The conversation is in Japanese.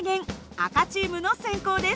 赤チームの先攻です。